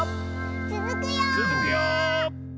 つづくよ！